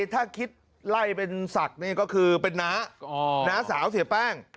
ถ้าคิดไล่เป็นศักดิ์นี่ก็คือเป็นน้าน้าสาวเสียแป้ง